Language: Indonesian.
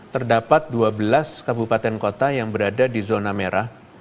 terdapat dua belas kabupaten kota yang berada di zona merah